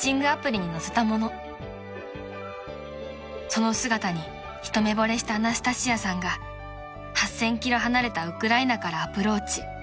［その姿に一目ぼれしたアナスタシアさんが８，０００ｋｍ離れたウクライナからアプローチ］